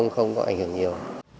không có ảnh hưởng nhiều